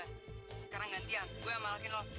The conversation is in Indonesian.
sekarang gantian saya yang menghalaki kamu